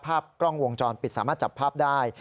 ภาพกล้องวงจรปิดสามารถจับภาพได้